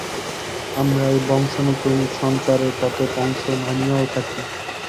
আমরা এই বংশানুক্রমিক সঞ্চারের কতক অংশ মানিয়াও থাকি।